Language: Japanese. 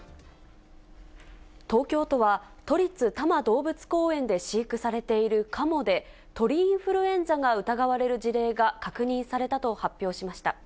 東京都は、都立多摩動物公園で飼育されているカモで、鳥インフルエンザが疑われる事例が確認されたと発表しました。